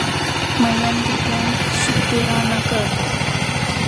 ميين د کړم سوک د رانه کړ